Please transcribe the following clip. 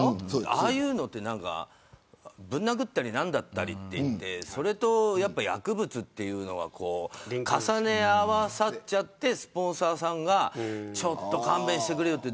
ああいうのって、ぶん殴ったりなんだったりってそれと薬物が重ね合わさってスポンサーさんがちょっと勘弁してくれよって。